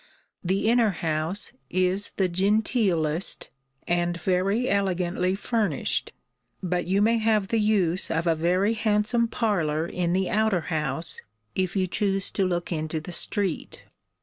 The inner house is the genteelest, and very elegantly furnished; but you may have the use of a very handsome parlour in the outer house, if you choose to look into the street.